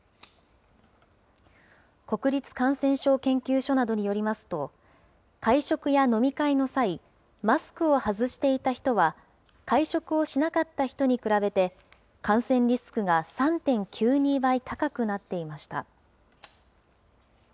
国立感染症研究所などによりますと、会食や飲み会の際、マスクを外していた人は、会食をしなかった人に比べて感染リスクが３．９２倍高くなっていました。